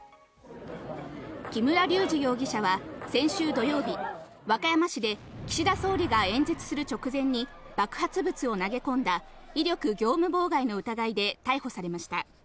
木村隆二容疑者は先週土曜日、和歌山市で岸田総理が演説する直前に爆発物を投げ込んだ威力業務妨害の疑いで逮捕されました。